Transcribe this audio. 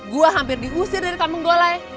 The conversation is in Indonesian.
gue hampir dihusir dari kampung golai